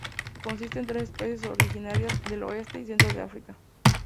Consiste en tres especies originarias del oeste y centro de África.